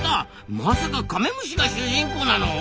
まさかカメムシが主人公なの？